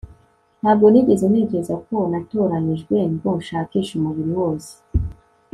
ntabwo nigeze ntekereza ko natoranijwe ngo nshakishe umubiri wose